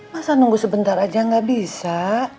masa nunggu sebentar aja nggak bisa